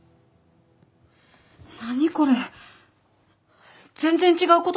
何これ。